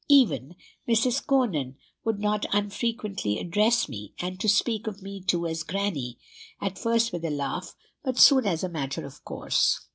Even Mrs. Conan would not unfrequently address me, and speak of me too, as grannie, at first with a laugh, but soon as a matter of course.